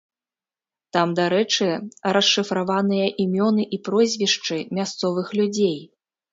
Там, дарэчы, расшыфраваныя імёны і прозвішчы мясцовых людзей.